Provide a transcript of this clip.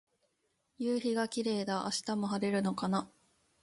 夕陽がキレイだ。明日も晴れるのかな。